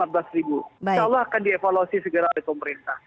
insya allah akan dievaluasi segera oleh pemerintah